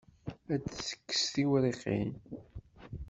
Ad d-tettekkes d tiwriqin.